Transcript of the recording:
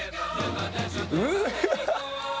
うわ！